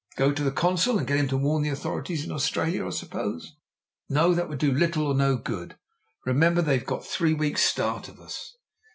"Go to the consul and get him to warn the authorities in Australia, I suppose?" "No. That would do little or no good remember, they've got three weeks' start of us."